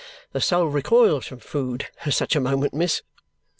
The soul recoils from food at such a moment, miss."